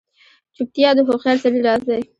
چوپتیا، د هوښیار سړي راز دی.